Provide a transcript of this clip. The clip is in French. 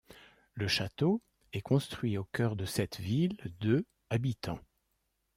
Le château est construit au cœur de cette ville de habitants.